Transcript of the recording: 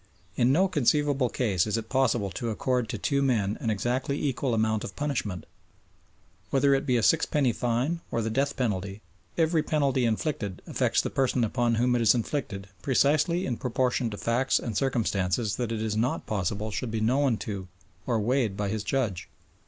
In no conceivable case is it possible to accord to two men an exactly equal amount of punishment. Whether it be a sixpenny fine or the death penalty, every penalty inflicted affects the person upon whom it is inflicted precisely in proportion to facts and circumstances that it is not possible should be known to or weighed by his judge.